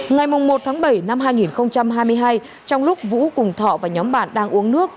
ngày một tháng bảy năm hai nghìn hai mươi hai trong lúc vũ cùng thọ và nhóm bạn đang uống nước